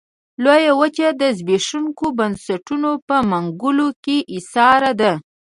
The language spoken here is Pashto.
لویه وچه د زبېښونکو بنسټونو په منګلو کې ایساره ده.